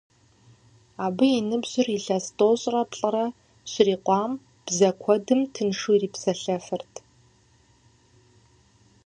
Абы и ныбжьыр илъэс тӀощӀрэ плӀырэ щрикъуам, бзэ куэдым тыншу ирипсэлъэфырт.